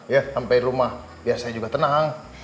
ya sampai rumah biar saya juga tenang